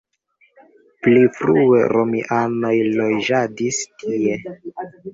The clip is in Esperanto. Pli frue romianoj loĝadis tie.